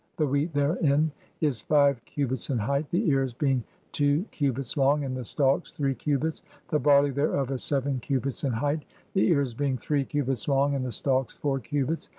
The wheat therein is (12) five cubits in height, the ears "being two cubits long, and the stalks three cubits ; the barley "thereof is seven cubits in height, (i3) the ears being three "cubits long and the stalks four cubits.